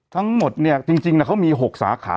ทั้งหมดเนี่ยจริงเขามี๖สาขา